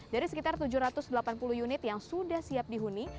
dari sekitar tujuh ratus delapan puluh unit yang sudah siap dihuni